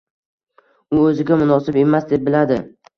U o‘ziga munosib emas, deb biladi.